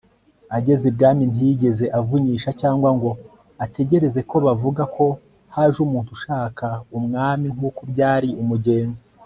Ageze ibwami ntiyigeze avunyisha cyangwa ngo ategereze ko bavuga ko haje umuntu ushaka umwami nkuko byari umugenzo